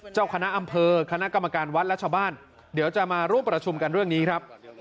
เจ้าคณะอำเภอคณะกรรมการวัดและชาวบ้านเดี๋ยวจะมาร่วมประชุมกันเรื่องนี้ครับ